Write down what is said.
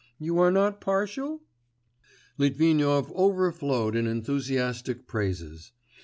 You are not partial?' Litvinov overflowed in enthusiastic praises.